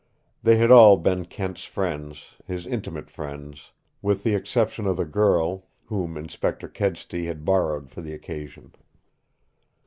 They had all been Kent's friends, his intimate friends, with the exception of the girl, whom Inspector Kedsty had borrowed for the occasion.